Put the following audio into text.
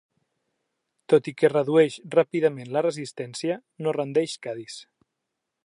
Tot i que redueix ràpidament la resistència no rendeix Cadis.